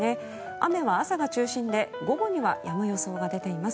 雨は朝が中心で午後にはやむ予想が出ています。